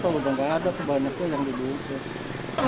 kalau udah nggak ada kebanyakan yang dibungkus